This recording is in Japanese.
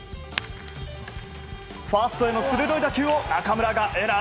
ファーストへの鋭い打球を中村がエラー。